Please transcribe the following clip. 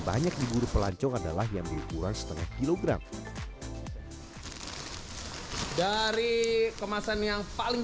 banyak diburu pelancong adalah yang berukuran setengah kilogram dari kemasan yang paling